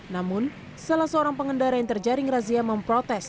namun salah seorang pengendara yang terjaring razia memprotes